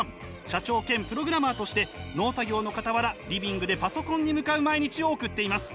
社長兼プログラマーとして農作業のかたわらリビングでパソコンに向かう毎日を送っています。